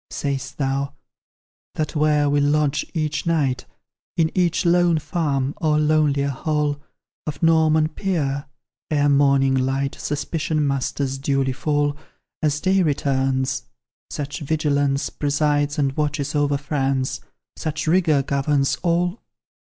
Sayst thou, that where we lodge each night, In each lone farm, or lonelier hall Of Norman Peer ere morning light Suspicion must as duly fall, As day returns such vigilance Presides and watches over France, Such rigour governs all?